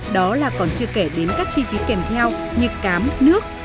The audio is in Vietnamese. đó là còn chưa kể đến các chi phí kèm theo như cám nước